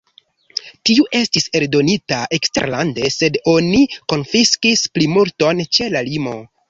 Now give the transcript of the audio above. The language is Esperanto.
Tiu estis eldonita eksterlande, sed oni konfiskis plimulton ĉe la limo.